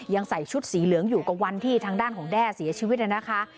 ใส่ชุดสีเหลืองอยู่กับวันที่ทางด้านของแด้เสียชีวิตนะคะ